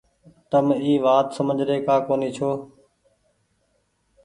تم اي وآت سمجه ري ڪآ ڪونيٚ ڇو۔